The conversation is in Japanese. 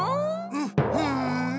うっふん。